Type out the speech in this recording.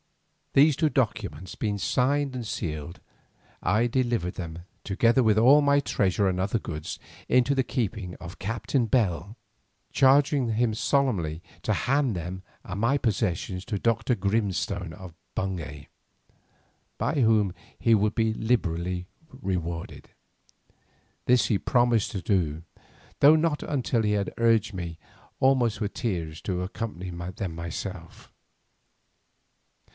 These two documents being signed and sealed, I delivered them, together with all my treasure and other goods, into the keeping of Captain Bell, charging him solemnly to hand them and my possessions to Dr. Grimstone of Bungay, by whom he would be liberally rewarded. This he promised to do, though not until he had urged me almost with tears to accompany them myself.